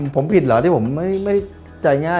ผมผิดเหรอที่ผมไม่ใจง่าย